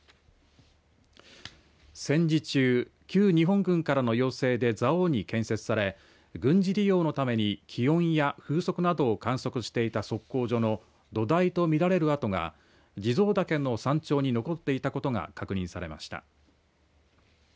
戦時中、旧日本軍からの要請で蔵王に建設され軍事利用のために気温や風速などを観測していた測候所の土台とみられる跡が地蔵岳の山頂に残っていたことが確認されました。